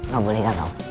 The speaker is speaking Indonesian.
gak boleh gak tau